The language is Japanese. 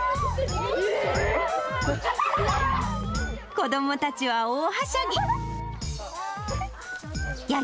子どもたちは大はしゃぎ。